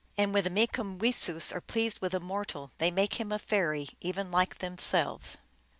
And when the Megu mawessos are pleased with a mortal they make him a fairy, even like themselves.